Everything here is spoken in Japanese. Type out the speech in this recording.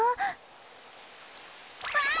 あっ。